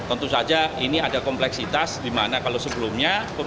tentu saja ini ada kompleksitas dimana kalau sebelumnya